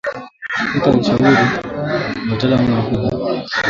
Kupata ushauri wa wataalamu wa mifugo